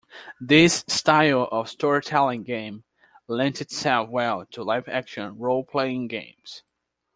This style of storytelling game lent itself well to live-action role-playing games.